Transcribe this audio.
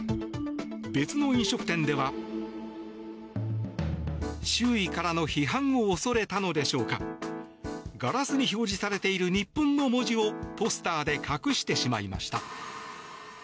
別の飲食店では、周囲からの批判を恐れたのでしょうかガラスに表示されている「日本」の文字をポスターで隠してしまいました。